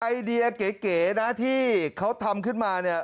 ไอเดียเก๋นะที่เขาทำขึ้นมาเนี่ย